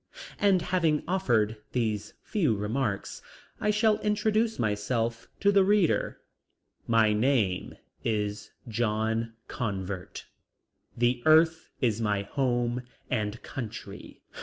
And having offered these few remarks I shall introduce myself to the reader. My name is John Convert. The earth is my home and country.